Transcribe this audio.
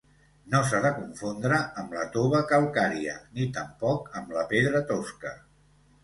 No s'ha de confondre amb la tova calcària ni tampoc amb la pedra tosca.